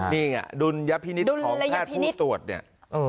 นี่ไงดุลยพินิษฐ์ของแพทย์ผู้ตรวจเนี่ย